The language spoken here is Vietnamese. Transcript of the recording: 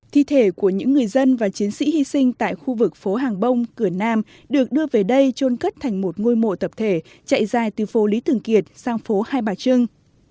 thi thể của những người dân và chiến sĩ hy sinh tại khu vực phố hàng bông cửa nam được đưa về đây trôn cất thành một ngôi mộ tập thể chạy dài từ phố lý thường kiệt sang phố hai bà trưng